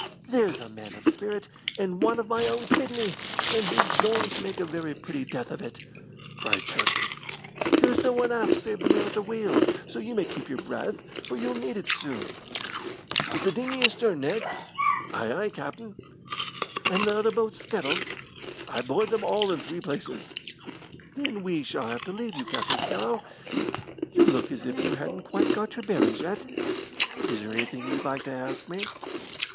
"There's a man of spirit, and one of my own kidney, and he's going to make a very pretty death of it!" cried Sharkey. "There's no one aft save the man at the wheel, so you may keep your breath, for you'll need it soon. Is the dinghy astern, Ned?" "Ay, ay, captain!" "And the other boats scuttled?" "I bored them all in three places." "Then we shall have to leave you, Captain Scarrow. You look as if you hadn't quite got your bearings yet. Is there anything you'd like to ask me?"